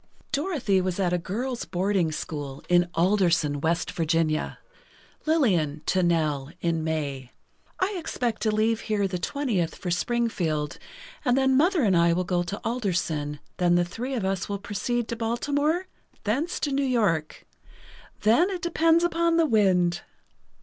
Dorothy was at a girls' boarding school, in Alderson, West Virginia. Lillian to Nell, in May: "I expect to leave here the 20th for Springfield and then Mother and I will go to Alderson, then the three of us will proceed to Baltimore—thence to New York—then it depends upon the wind."